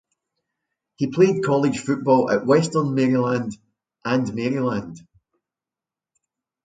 He played college football at Western Maryland and Maryland.